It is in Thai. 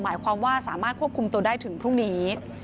หมายความว่าสามารถควบคุมตัวได้ถึงพรุ่งนี้